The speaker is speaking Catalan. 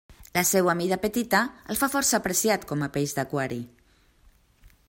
La seua mida petita el fa força apreciat com a peix d'aquari.